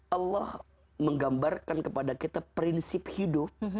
allah menggambarkan kepada kita prinsip hidup